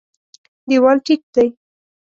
دېوال ټیټ دی.